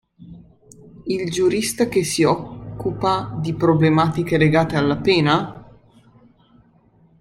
Il giurista che si occupa di problematiche legate alla pena?